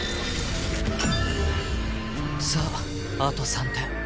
さああと３点。